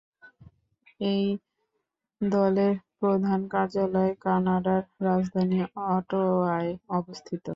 এই দলের প্রধান কার্যালয় কানাডার রাজধানী অটোয়ায় অবস্থিত।